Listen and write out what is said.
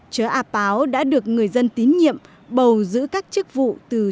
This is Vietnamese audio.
chớ ảp báo đã được người dân tín nhiệm bầu giữ các chức vụ từ thủ tướng đến trường lớp